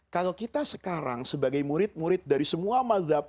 kalau kita sekarang sebagai murid murid dari semua mazhab